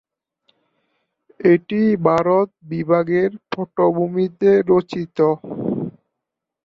এটি ভারত বিভাগের পটভূমিতে রচিত।